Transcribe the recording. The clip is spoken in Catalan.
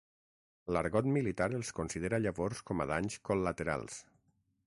L'argot militar els considera llavors com danys col·laterals.